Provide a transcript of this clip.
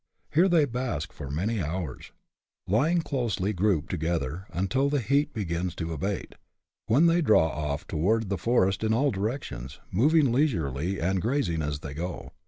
Here they bask for many hours, lying closely grouped together until the heat begins to abate, when they draw off towards the forest in all directions, moving leisurely, and CHAP. VI.] MUSTER OF A HERD. H grazing as they go.